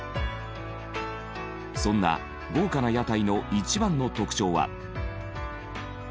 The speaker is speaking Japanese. そんな豪華な屋台の一番の特徴は。